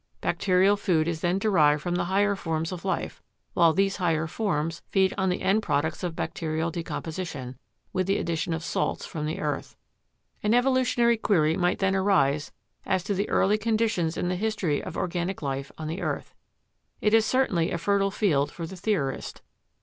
Bacterial food is then derived from the higher forms of life, while these higher forms feed on the end products of bacterial decomposition, with the addition of salts from the earth. An evolutionary query might then arise as to the early conditions in the history of organic life on the earth. It is certainly a fertile field for the theorist.